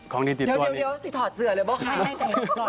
ของดีติดตัวนี้เดี๋ยวสิถอดเสือเลยบ้างค่ะ